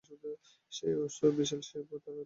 সে বিশাল, সে বদ, আর তার অনেক তেজ।